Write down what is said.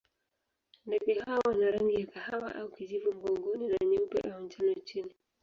Ndege hawa wana rangi ya kahawa au kijivu mgongoni na nyeupe au njano chini.